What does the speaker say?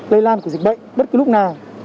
lây lan của dịch bệnh bất cứ lúc nào